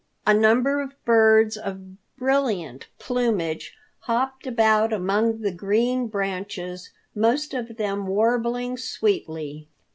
A number of birds of brilliant plumage hopped about among the green branches, most of them warbling sweetly.